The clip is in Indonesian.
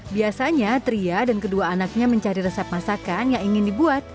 biasanya tria dan kedua anaknya mencari resep masakan yang ingin dibuat